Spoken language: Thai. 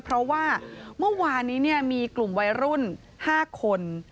เพราะว่าเมื่อวานนี้มีกลุ่มวัยรุ่น๕คน